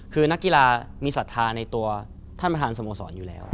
คือนักกีฬามีศรัทธาในตัวท่านประธานสโมสรอยู่แล้ว